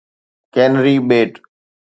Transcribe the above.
ڪينري ٻيٽ